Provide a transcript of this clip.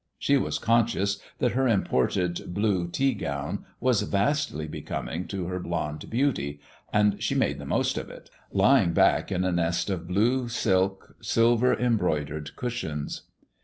She was conscious that her imported blue tea gown was vastly becoming to her blond beauty, and she made the most of it, lying back in a nest of blue silk, silver embroidered cushions.